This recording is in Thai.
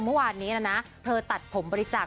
เมื่อวานนี้นะนะเธอตัดผมบริจาค